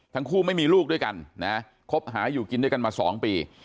ทั้งคู่ไม่มีลูกด้วยกันนะคบหาอยู่กินด้วยกันมา๒ปี